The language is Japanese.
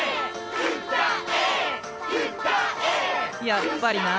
やっぱりな。